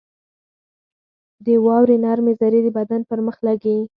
• د واورې نرمې ذرې د بدن پر مخ لګي.